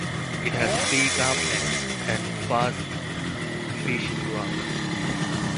It has big uplands and vast fishing grounds.